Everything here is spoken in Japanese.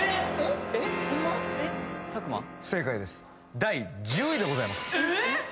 第１０位でございますえっ！？